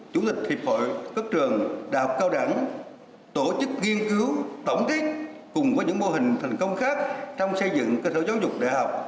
chủ tịch hiệp hội các trường đại học cao đẳng tổ chức nghiên cứu tổng kết cùng với những mô hình thành công khác trong xây dựng cơ sở giáo dục đại học